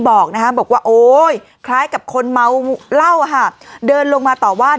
บอกว่าโอ๊ยคล้ายกับคนเมาเหล้าอะค่ะเดินลงมาต่อว่า